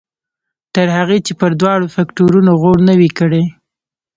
تر هغې چې پر دواړو فکټورنو غور نه وي کړی.